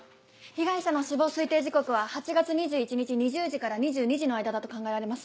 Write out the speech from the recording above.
被害者の死亡推定時刻は８月２１日２０時から２２時の間だと考えられます。